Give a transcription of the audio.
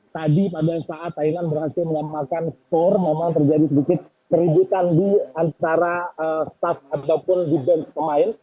tadi pada saat thailand berhasil menamakan skor memang terjadi sedikit keributan di antara staff ataupun di bench pemain